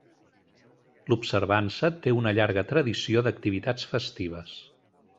L'observança té una llarga tradició d'activitats festives.